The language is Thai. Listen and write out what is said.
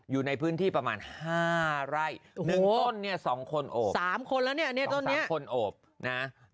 อยู่ในพื้นที่ประมาณห้าไร่หนึ่งต้นเนี้ยสองคนโอบสามคนแล้วเนี้ยอันนี้ต้นเนี้ยสามคนโอบนะฮะ